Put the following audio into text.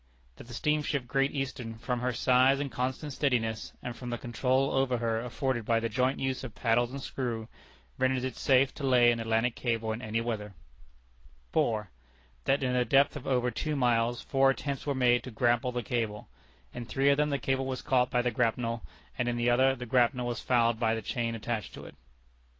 That the steamship Great Eastern, from her size and constant steadiness, and from the control over her afforded by the joint use of paddles and screw, renders it safe to lay an Atlantic Cable in any weather. 4. That in a depth of over two miles four attempts were made to grapple the cable. In three of them the cable was caught by the grapnel, and in the other the grapnel was fouled by the chain attached to it.